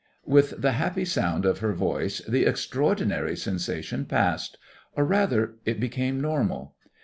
With the happy sound of her voice the extraordinary sensation passed or, rather, it became normal.